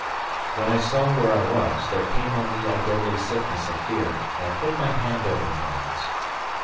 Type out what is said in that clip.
When I saw where I was, there came on me a deadly sickness of fear, and I put my hand over my eyes.